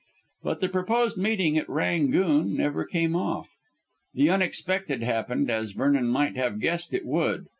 But the proposed meeting at "Rangoon" never came off. The unexpected happened, as Vernon might have guessed it would.